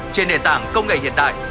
trên nền tảng công nghệ hiện đại